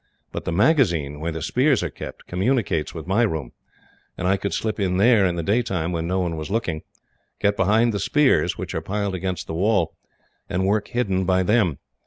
But the magazine, where the spears are kept, communicates with my room, and I could slip in there in the daytime, when no one was looking, get behind the spears, which are piled against the wall, and work hidden by them.